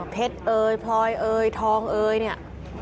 เพชรเอยพลอยเอยทองเอยเนี่ย